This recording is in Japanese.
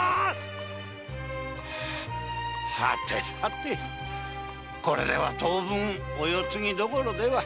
はてさてこれでは当分お世継ぎどころでは。